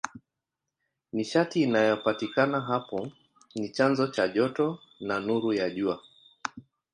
Nishati inayopatikana hapo ni chanzo cha joto na nuru ya Jua.